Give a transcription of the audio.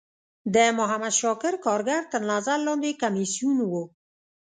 د محمد شاکر کارګر تر نظر لاندی کمیسیون و.